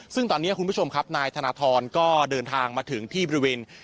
ซึ่งตอนนี้คุณผู้ชมครับนายธนทรก็เดินทางมาถึงที่บริเวณ